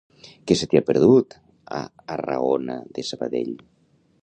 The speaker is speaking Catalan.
Què se t'hi ha perdut, a Arrahona de Sabadell?